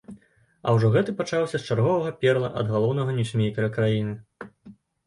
А ўжо гэты пачаўся з чарговага перла ад галоўнага ньюсмейкера краіны.